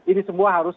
ini semua harus